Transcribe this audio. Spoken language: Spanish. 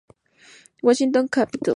Washington Capitols